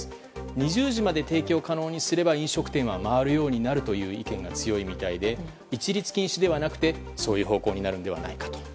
２０時まで提供可能にすれば飲食店は回るようになるという意見が強いみたいで一律禁止ではなくてそういう方向になるのではないかと。